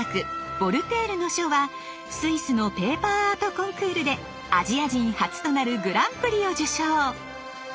「ヴォルテールの書」はスイスのペーパーアートコンクールでアジア人初となるグランプリを受賞。